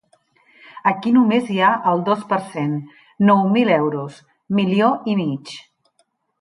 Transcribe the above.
Aquí només hi ha el dos per cent, nou mil euros, milió i mig.